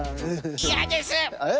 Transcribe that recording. いやです！えっ？